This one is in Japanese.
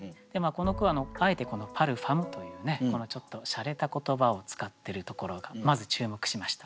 この句はあえて「パルファム」というねちょっとしゃれた言葉を使ってるところがまず注目しました。